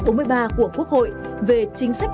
của quốc hội về chính sách